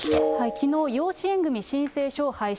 きのう、養子縁組申請書を廃止。